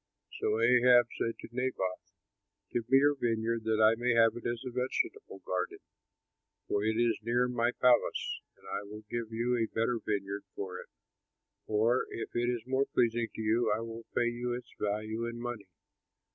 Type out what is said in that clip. So Ahab said to Naboth, "Give me your vineyard, that I may have it as a vegetable garden, for it is near my palace; and I will give you a better vineyard for it; or, if it is more pleasing to you, I will pay you its value in money."